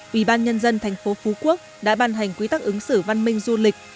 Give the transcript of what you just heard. ủy ban nhân dân tp phú quốc đã bàn hành quý tắc ứng xử văn minh du lịch